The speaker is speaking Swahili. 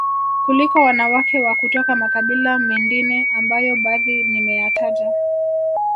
kuliko wanawake wa kutoka makabila mendine ambayo badhi nimeyataja